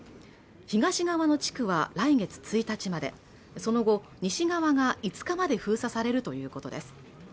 東側の地区は来月１日までその後西側が５日まで封鎖されるということです